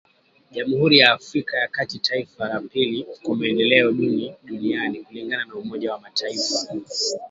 Jamhuri ya Afrika ya kati taifa la pili kwa maendeleo duni duniani kulingana na umoja wa mataifa